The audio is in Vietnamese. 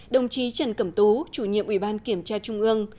đồng chí trần cẩm tú chủ nhiệm ubnd kiểm tra trung ương